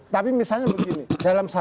tapi misalnya begini dalam